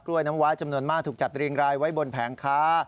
กล้วยน้ำว้าจำนวนมาถูกจัดริงรายไว้บนแผงคา